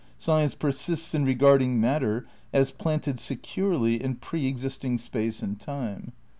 Science persists in regarding mat ter as planted securely in pre existing space and time.